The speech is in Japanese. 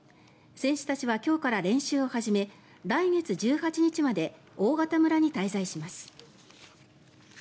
選手たちは今日から練習を始め来月１８日まで大潟村に滞在します。